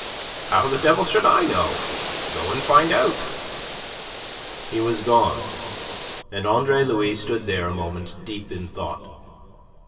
"How the devil should I know? Go and find out." He was gone, and Andre Louis stood there a moment deep in thought.